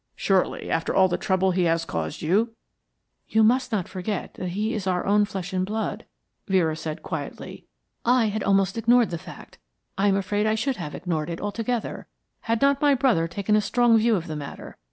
"Surely, after all the trouble he has caused you " "You must not forget that he is our own flesh and blood," Vera said, quietly. "I had almost ignored the fact I am afraid I should have ignored it altogether had not my brother taken a strong view of the matter.